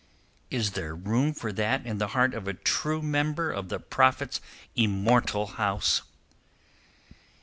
Is there room for that in the heart of a true member of the Prophet's immortal House?